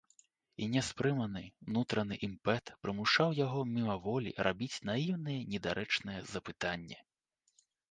І нястрыманы нутраны імпэт прымушаў яго мімаволі рабіць наіўныя недарэчныя запытанні.